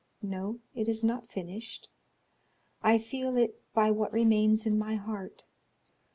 No, it is not finished; I feel it by what remains in my heart.